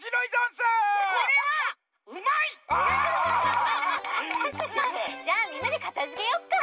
すごい。じゃあみんなでかたづけよっか！